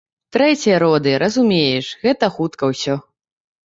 Трэція роды, разумееш, гэта хутка ўсё.